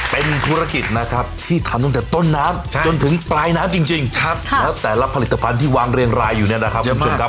เป็นธุรกิจนะครับที่ทำตั้งแต่ต้นน้ำจนถึงปลายน้ำจริงแล้วแต่ละผลิตภัณฑ์ที่วางเรียงรายอยู่เนี่ยนะครับคุณผู้ชมครับ